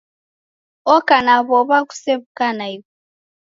Oka na w'ow'a ghusew'uka naighu!